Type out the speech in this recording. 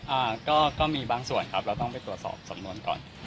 อ่าก็ก็มีบางส่วนครับเราต้องไปตรวจสอบสำนวนก่อน